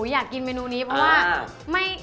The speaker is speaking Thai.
อยากกินเมนูนี้เพราะว่า